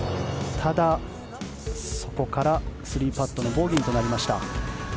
ただ、そこから３パットのボギーとなりました。